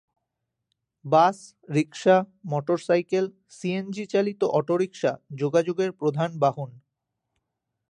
বাস, rickshaw, motorcycle, CNG চালিত autorickshaw যোগাযোগের প্রধান বাহন।